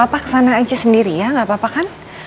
eh papa kesana aja sendiri ya gak apa apa kan